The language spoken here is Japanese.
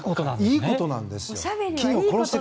いいことなんですね。